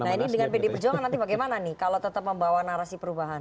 nah ini dengan pdi perjuangan nanti bagaimana nih kalau tetap membawa narasi perubahan